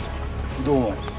どうも。